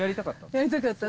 やりたかった。